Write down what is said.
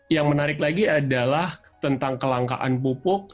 yang menarik lagi adalah tentang kelangkaan pupuk